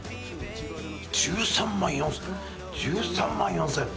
１３万４０００円１３万４０００円。